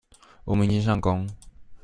我們已經上工